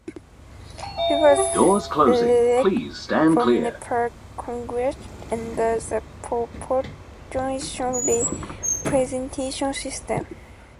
He was elected from Nepali Congress under the proportional representation system.